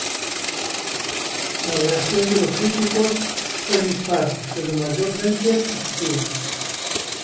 La reacción de los críticos fue dispar, pero mayormente positiva.